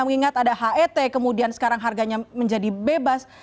mengingat ada het kemudian sekarang harganya menjadi bebas